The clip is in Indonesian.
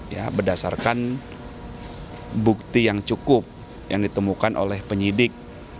ya berdasarkan bukti yang cukup yang ditemukan oleh penyidik